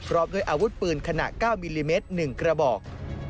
รอบด้วยอาวุธปืนขนาด๙มิลลิเมตร๑กระบอก